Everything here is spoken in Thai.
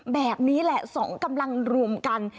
แบบนี้แหละ๒กำลังรวมกัน